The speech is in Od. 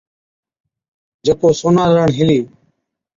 جڪو سونارڻ هِلِي۔